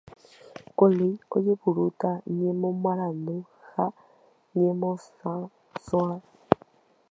Ko léi ojepurúta ñemoarandu ha ñemosãsorã.